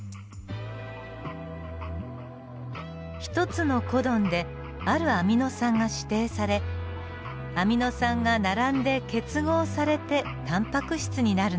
１つのコドンであるアミノ酸が指定されアミノ酸が並んで結合されてタンパク質になるのです。